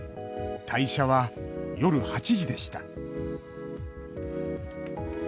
退社は夜８時でした